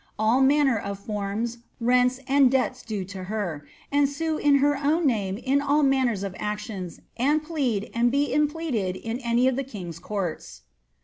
all manner of forms, rents, and debts due to her ; and sue in her own name in all manner of actions, and plead, and be impleaded in any of the king's courts."